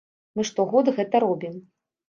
Мы штогод гэта робім.